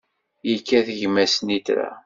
Yekkat gma snitra.